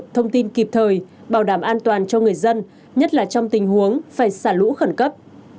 thông tin kịp thời bảo đảm an toàn cho người dân nhất là trong tình huống phải xả lũ khẩn cấp